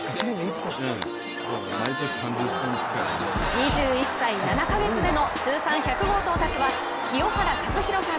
２１歳７カ月での通算１００号到達は清原和博さん